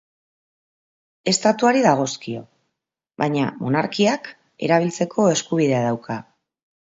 Estatuari dagozkio baina monarkiak erabiltzeko eskubidea dauka.